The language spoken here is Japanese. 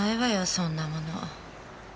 そんなもの。